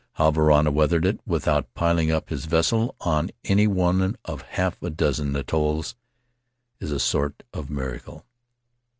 How Varana weathered it, without piling up his vessel on any one of half a dozen atolls, is a sort of miracle.